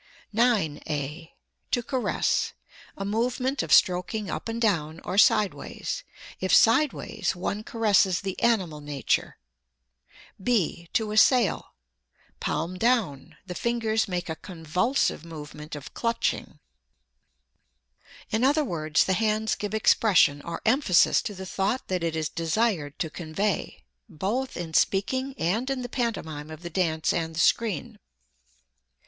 9. (a) To caress: a movement of stroking up and down, or sideways. If sideways, one caresses the animal nature; (b) to assail: palm down; the fingers make a convulsive movement of clutching. [Illustration: GERTRUDE LAWRENCE] In other words, the hands give expression or emphasis to the thought that it is desired to convey, both in speaking and in the pantomime of the dance and the screen.